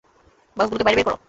বক্সগুলোকে বাইরে বের কর।